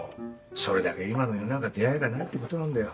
それだけ今の世の中出会いがないってことなんだよ。